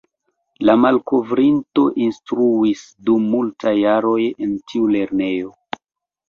La malkovrinto instruis dum multaj jaroj en tiu lernejo.